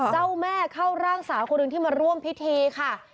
เจ้าแม่เข้าร่างสาวคนหนึ่งที่มาร่วมพิธีค่ะ